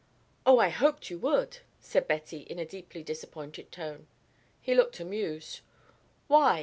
"Oh, I hoped you would," said Betty, in a deeply disappointed tone. He looked amused. "Why?"